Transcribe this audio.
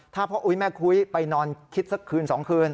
ถ้าพ่ออุ๊ยแม่คุ้ยไปนอนคิดสักคืน๒คืน